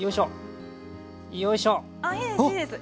いいですいいです。